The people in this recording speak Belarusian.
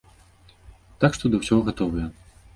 Так што да ўсяго гатовыя.